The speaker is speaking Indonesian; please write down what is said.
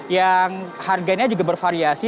yang harganya juga bervariasi